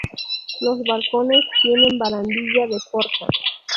Los balcones tienen barandilla de forja.